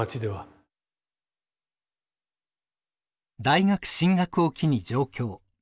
大学進学を機に上京。